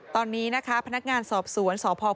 ตอนนี้นะคะพนักงานสอบสวนสพ